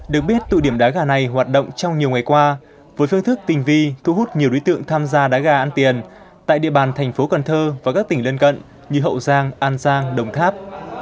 được biết tụ điểm đá gà này hoạt động trong nhiều ngày qua với phương thức tình vi thu hút nhiều đối tượng tham gia đá gà ăn tiền tại địa bàn thành phố cần thơ và các tỉnh lân cận như hậu giang an giang đồng tháp